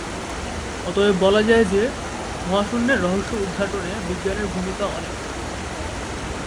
অতএব বলা যায় যে মহাশুন্যের রহস্য উদঘাটনে বিজ্ঞানের ভূমিকা অনেক।